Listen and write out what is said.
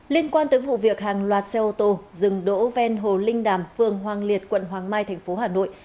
liên quan tới vụ việc hàng loạt xe ô tô dừng đỗ ven hồ linh đàm phường hoàng liệt quận hoàng mai thành phố hà nội